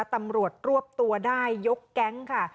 ตำรวจรวบตัวได้ยกแก๊งค่ะ